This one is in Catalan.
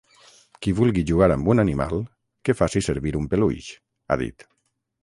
Qui vulgui jugar amb un animal que faci servir un peluix, ha dit.